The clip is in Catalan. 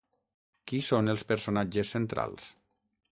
Qui són els personatges centrals?